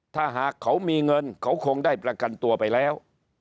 ถ้าหากเขามีเงินเขาคงได้ประกันตัวไปแล้ว